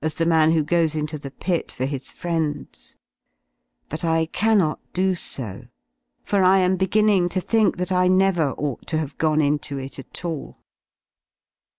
« the man who goes into thepit/or his friends: but I cannot ^^ do so, for I am beginning to think that I never ought to '/*»// have gone into it at all.